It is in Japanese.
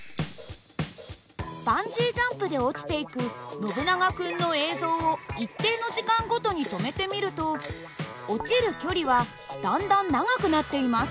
バンジージャンプで落ちていくノブナガ君の映像を一定の時間ごとに止めてみると落ちる距離はだんだん長くなっています。